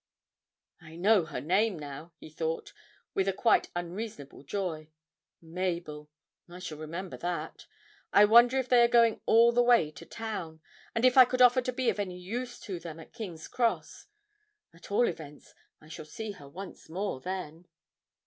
'I know her name now,' he thought, with a quite unreasonable joy 'Mabel. I shall remember that. I wonder if they are going all the way to town, and if I could offer to be of any use to them at King's Cross? At all events, I shall see her once more then.'